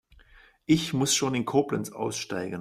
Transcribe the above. Ich muss schon in Koblenz aussteigen